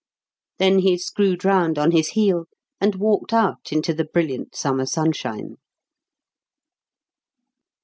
Then he screwed round on his heel and walked out into the brilliant summer sunshine.